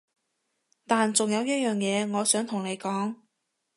但仲有一樣嘢我想同你講